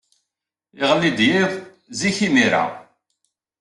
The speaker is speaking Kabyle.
Iɣelli-d yiḍ zik imir-a.